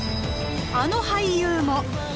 あの俳優も！